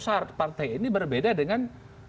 saat partai ini berbeda dengan